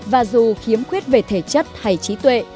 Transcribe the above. và dù khiếm khuyết về thể chất hay trí tuệ